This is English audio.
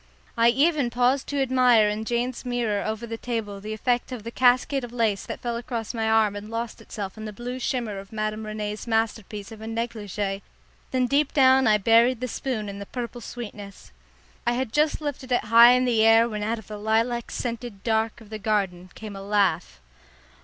I even paused to admire in Jane's mirror over the table the effect of the cascade of lace that fell across my arm and lost itself in the blue shimmer of Madame Rene's masterpiece of a negligée, then deep down I buried the spoon in the purple sweetness. I had just lifted it high in the air when out of the lilac scented dark of the garden came a laugh.